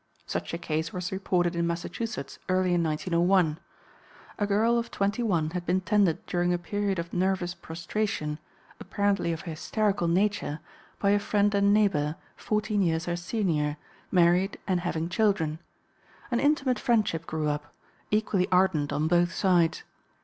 Such a case was reported in Massachusetts early in 1901. A girl of 21 had been tended during a period of nervous prostration, apparently of hysterical nature, by a friend and neighbor, fourteen years her senior, married and having children. An intimate friendship grew up, equally ardent on both sides.